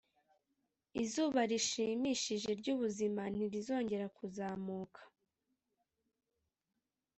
izuba rishimishije ry'ubuzima ntirizongera kuzamuka: